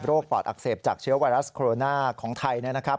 ปอดอักเสบจากเชื้อไวรัสโคโรนาของไทยนะครับ